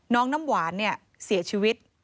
น้ำหวานเนี่ยเสียชีวิต